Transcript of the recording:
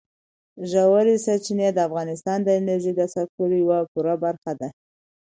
ژورې سرچینې د افغانستان د انرژۍ د سکتور یوه پوره برخه ده.